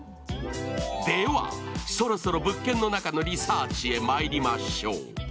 では、そろそろ物件の中のリサーチへまいりましょう。